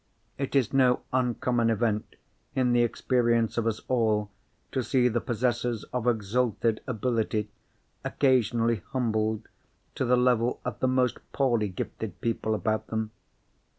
It is no uncommon event, in the experience of us all, to see the possessors of exalted ability occasionally humbled to the level of the most poorly gifted people about them.